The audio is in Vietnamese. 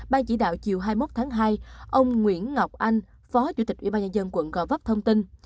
ban chỉ đạo chiều hai mươi một tháng hai ông nguyễn ngọc anh phó chủ tịch ubnd quận gò vấp thông tin